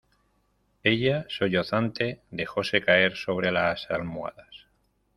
ella, sollozante , dejóse caer sobre las almohadas: